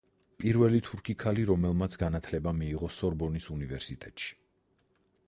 პირველი თურქი ქალი, რომელმაც განათლება მიიღო სორბონის უნივერსიტეტში.